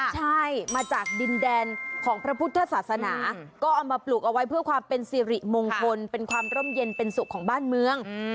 ใช่มาจากดินแดนของพระพุทธศาสนาก็เอามาปลูกเอาไว้เพื่อความเป็นสิริมงคลเป็นความร่มเย็นเป็นสุขของบ้านเมือง